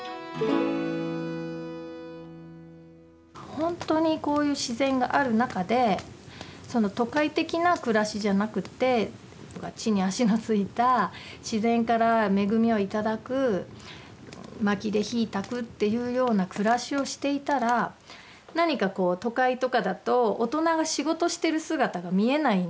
ほんとにこういう自然がある中で都会的な暮らしじゃなくって地に足の着いた自然から恵みを頂くまきで火たくっていうような暮らしをしていたら何かこう都会とかだと大人が仕事してる姿が見えないんだよね。